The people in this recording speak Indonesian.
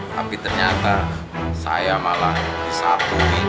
tapi ternyata saya malah disatui